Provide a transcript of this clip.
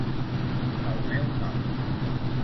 El meu nom